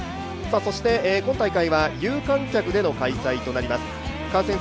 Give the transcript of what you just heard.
そして今大会は有観客での開催となります。